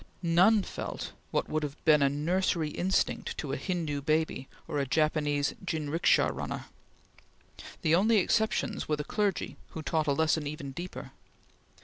None felt what would have been a nursery instinct to a Hindu baby or a Japanese jinricksha runner. The only exceptions were the clergy, who taught a lesson even deeper.